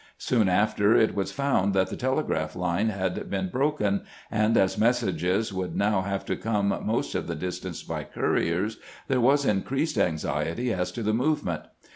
Soon after it was found that the telegraph line had been broken, and as messages would now have to come most of the distance by couriers, there was increased anxiety as to the move ment.